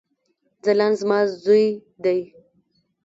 ځلاند زما ځوي دی